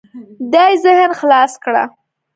دې ذهن خلاص کړه.